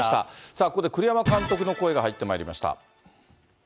さあ、ここで、栗山監督の声が入ってまいりました。